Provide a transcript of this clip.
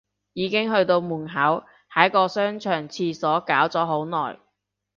已經去到門口，喺個商場廁所搞咗好耐